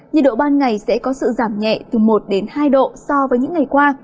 nhiệt độ ban ngày sẽ có sự giảm nhẹ từ một hai độ so với những ngày qua